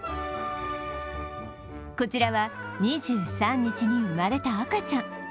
こちらは２３日に生まれた赤ちゃん。